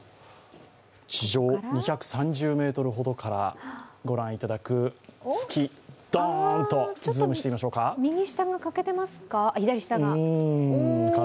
地上２３０ｍほどからご覧いただく月、どーんとズームしてみましょうか。